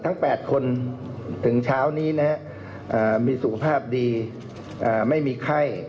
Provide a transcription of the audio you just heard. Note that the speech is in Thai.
ทั้ง๘คนถึงเช้านี้นะครับมีสุขภาพดีไม่มีไข้